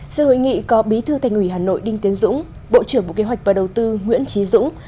sự hội nghị có bí thư thành ủy hà nội đinh tiến dũng bộ trưởng bộ kế hoạch và đầu tư nguyễn trí dũng